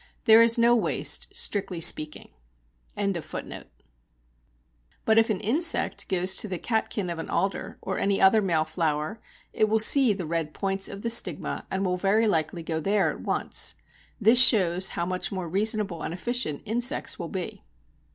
There is no waste, strictly speaking. But if an insect goes to the catkin of an alder or any other male flower, it will see the red points of the stigma and will very likely go there at once. This shows how much more reasonable and efficient insects will be.